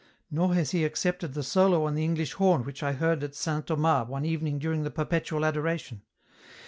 Nor has he accepted the solo on the English horn which I heard at St. Thomas one evening during the Perpetual Adoration.